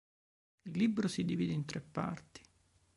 Il libro si divide in tre parti.